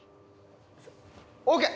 オーケー！